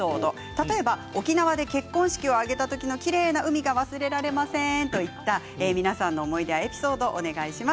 例えば沖縄で結婚式を挙げた時のきれいな海が忘れられませんといった皆さんの思い出やエピソードをお願いします。